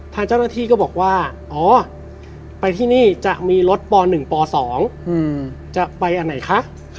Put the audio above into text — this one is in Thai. ทางเจ้าหน้าที่ก็บอกว่าอ๋อไปที่นี่จะมีรถป๑ป๒จะไปอันไหนคะ